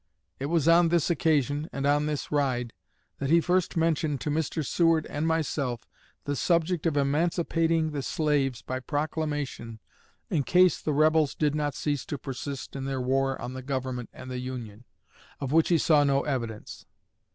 It was on this occasion and on this ride that he first mentioned to Mr. Seward and myself the subject of emancipating the slaves by proclamation in case the Rebels did not cease to persist in their war on the Government and the Union, of which he saw no evidence.